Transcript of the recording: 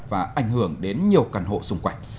và ảnh hưởng đến nhiều căn hộ xung quanh